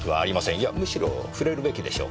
いやむしろ触れるべきでしょう。